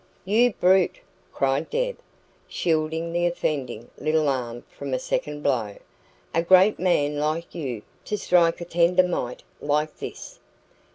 "You brute!" cried Deb, shielding the offending little arm from a second blow. "A great big man like you, to strike a tender mite like this!"